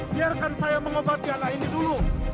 biarkan saya mengobati anak ini dulu